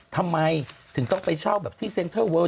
ทำไมถึงต้องไปเช่าแบบที่เซ็นเทอร์เวิร์ค